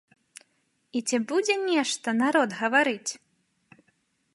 І ці будзе нешта народ гаварыць?